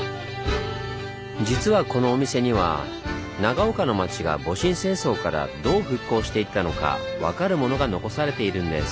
実はこのお店には長岡の町が戊辰戦争からどう復興していったのか分かるものが残されているんです。